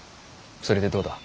それでどうだ。